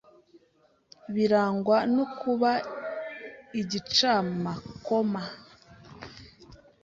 Birangwa no kuba igicamakoma